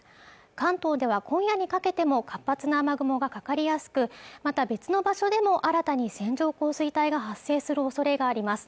関東では今夜にかけても活発な雨雲がかかりやすくまた別の場所でも新たに線状降水帯が発生するおそれがあります